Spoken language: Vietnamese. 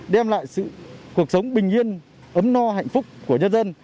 đem lại sự cuộc sống bình yên ấm no hạnh phúc của nhân dân